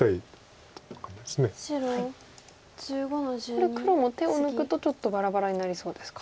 これ黒も手を抜くとちょっとバラバラになりそうですか。